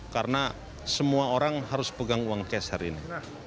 karena semua orang harus pegang uang cash hari ini